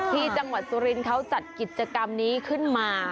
ที่จังหวัดสุรินทร์เขาจัดกิจกรรมนี้ขึ้นมา